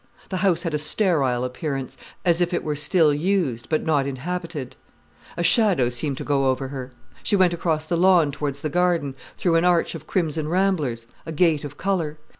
The house had a sterile appearance, as if it were still used, but not inhabited. A shadow seemed to go over her. She went across the lawn towards the garden, through an arch of crimson ramblers, a gate of colour.